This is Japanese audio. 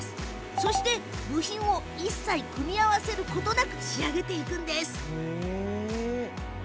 そして、部品を一切組み合わせることなく仕上げていくんです。